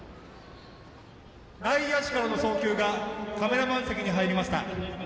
内野手からの送球がカメラマン席に入りました。